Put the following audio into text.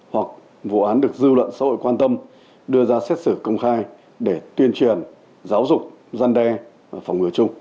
hoặc vụ án được dư luận xã hội quan tâm đưa ra xét xử công khai để tuyên truyền giáo dục gian đe phòng ngừa chung